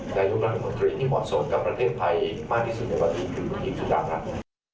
นายกรัฐมนตรีที่เหมาะสมกับประเทศไทยมากที่สุดในวันนี้คือคุณกิจสุดารัฐ